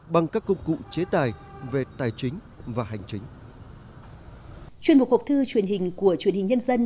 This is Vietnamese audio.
bằng các công cụ chế tài về tài chính và hành chính